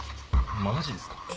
マジですか